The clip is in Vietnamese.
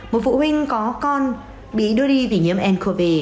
một phụ huynh có con bị đưa đi vì nhiễm ncov